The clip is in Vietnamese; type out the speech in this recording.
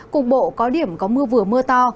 cục bộ có điểm có mưa vừa mưa to